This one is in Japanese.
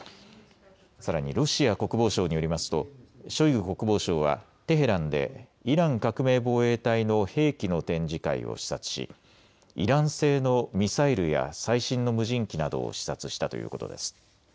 さらにロシア国防省によりますとショイグ国防相はテヘランでイラン革命防衛隊の兵器の展示会を視察しイラン製のミサイルや最新の無人機などを視察したということです。